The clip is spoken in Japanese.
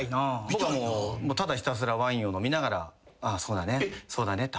僕はもうただひたすらワインを飲みながらああそうだねそうだねって。